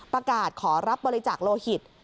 ประกาศขอรับบริจาคโลหิต